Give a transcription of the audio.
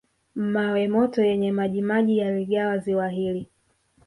Mawe moto yenye majimaji yaligawa ziwa hili